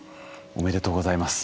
おめでとうございます。